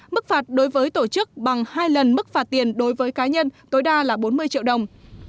mức phạt đối với tổ chức bằng hai lần mức phạt tiền đối với cá nhân tối đa là bốn mươi triệu đồng